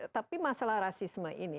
tapi masalah rasisme ini